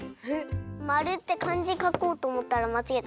丸ってかんじかこうとおもったらまちがえた。